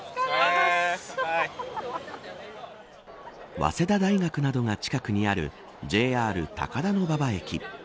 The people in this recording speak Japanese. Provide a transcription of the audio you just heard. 早稲田大学などが近くにあるＪＲ高田馬場駅。